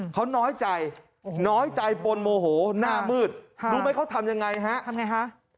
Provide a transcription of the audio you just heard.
เขาน้อยใจน้อยใจปนโมโหหน้ามืดรู้ไหมเขาทำยังไงฮะทำไงฮะ